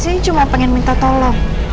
saya cuma pengen minta tolong